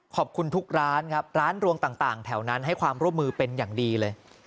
ขอบคุณทุกร้านครับร้านรวงต่างแถวนั้นให้ความร่วมมือเป็นอย่างดีเลย